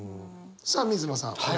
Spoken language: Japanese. さあ水野さん